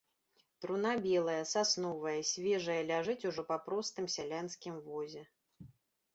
Труна белая, сасновая, свежая ляжыць ужо па простым сялянскім возе.